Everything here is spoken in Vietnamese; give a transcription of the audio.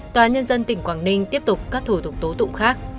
tòa nhân dân tỉnh quảng ninh tiếp tục các thủ tục tố tụng khác